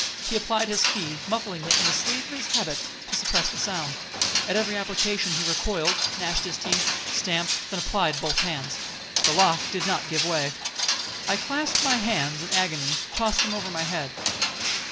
He applied his key, muffling it in the sleeve of his habit to suppress the sound. At every application he recoiled, gnashed his teeth, stamped—then applied both hands. The lock did not give way—I clasped my hands in agony—I tossed them over my head.